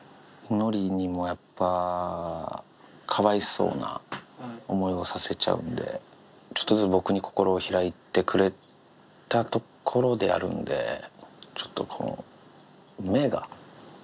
のりにもやっぱ、かわいそうな思いをさせちゃうんで、ちょっとずつ僕に心を開いてくれたところでやるんで、ちょっとこ目？